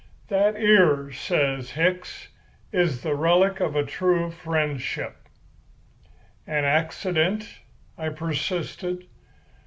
"That ear," says Hicks, "is the relic of true friendship." "An accident?" I persisted.